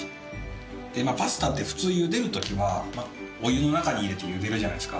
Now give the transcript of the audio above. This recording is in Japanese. でパスタって普通茹でる時はお湯の中に入れて茹でるじゃないですか。